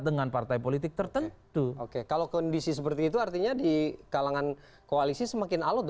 dengan partai politik tertentu oke kalau kondisi seperti itu artinya di kalangan koalisi semakin alut